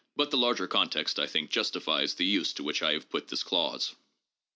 But the larger context, I think, justifies the use to which I have put this clause.